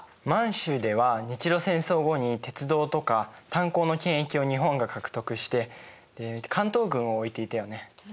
満州では日露戦争後に鉄道とか炭鉱の権益を日本が獲得して関東軍を置いていたよね。